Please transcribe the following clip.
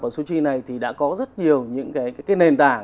ở sochi này thì đã có rất nhiều những cái nền tảng